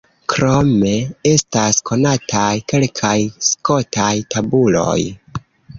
Krome estas konataj kelkaj skotaj tabuloj.